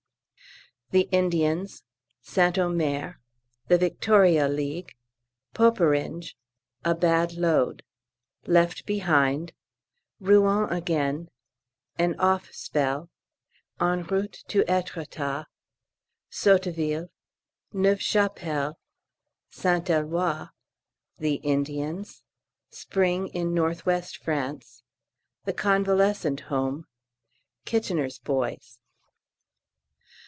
_ The Indians St Omer The Victoria League Poperinghe A bad load Left behind Rouen again An "off" spell En route to Êtretat Sotteville Neuve Chapelle St Eloi The Indians Spring in N.W. France The Convalescent Home Kitchener's boys.